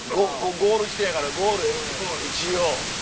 ゴール地点やからゴール一応。